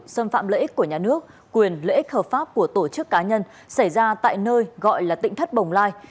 xâm phạm lợi ích của nhà nước quyền lợi ích hợp pháp của tổ chức cá nhân xảy ra tại nơi gọi là tỉnh thất bồng lai